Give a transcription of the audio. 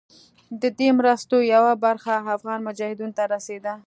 د دې مرستو یوه برخه افغان مجاهدینو ته رسېده.